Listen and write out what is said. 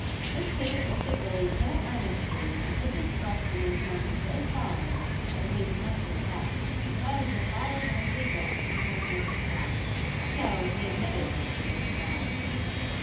Miss Tippet looked at Willie so earnestly and put this question in tones so solemn that he was much impressed, and felt as if all his earthly hopes hung on his reply, so he admitted that he could spell.